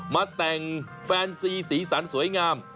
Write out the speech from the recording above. มาแต่งแฟนซีสีสันสวยงาม